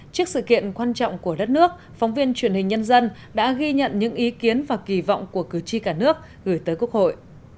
trước sự kiện quan trọng của đất nước phóng viên truyền hình nhân dân đã ghi nhận những ý kiến và kỳ vọng của cử tri cả nước gửi tới quốc hội